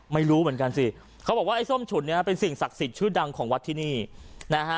ไม่รู้เหมือนกันสิเขาบอกว่าไอ้ส้มฉุนเนี่ยเป็นสิ่งศักดิ์สิทธิ์ชื่อดังของวัดที่นี่นะฮะ